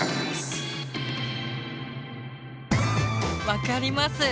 分かります。